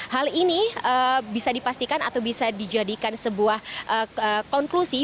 hal ini bisa dipastikan atau bisa dijadikan sebuah konklusi